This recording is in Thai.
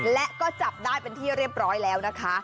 และก็จับได้เป็นที่เรียบร้อยแล้วนะคะ